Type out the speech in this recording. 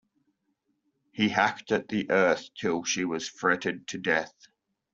He hacked at the earth till she was fretted to death.